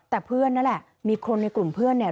แต่เพื่อนนั่นแหละมีคนในกลุ่มเพื่อนเนี่ย